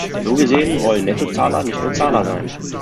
So gesehen, wollen Nettozahler nicht nur Zahler sein.